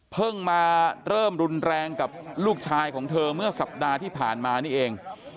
เพิ่งมาเริ่มรุนแรงกับลูกชายของเธอเมื่อสัปดาห์ที่ผ่านมานี่เอง